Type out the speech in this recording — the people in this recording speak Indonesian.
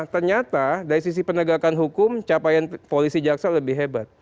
ternyata dari sisi penegakan hukum capaian polisi jaksa lebih hebat